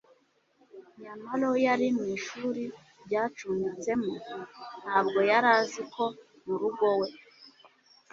nyamalo yari mu ishuri ryacumbitsemo. ntabwo yari azi ko murugo we